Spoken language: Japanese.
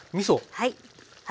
はい。